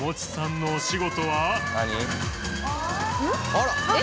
あら？